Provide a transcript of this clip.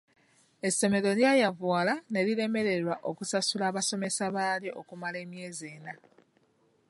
Essomero lyayavuwala ne liremererwa okusasula abasomesa baalyo okumala emyezi ena.